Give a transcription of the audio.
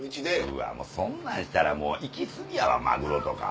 うわそんなんしたらもう行き過ぎやわマグロとか。